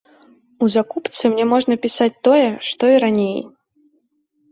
У закупцы мне можна пісаць тое, што і раней.